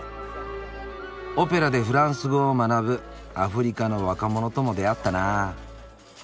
オペラでフランス語を学ぶアフリカの若者とも出会ったなあ。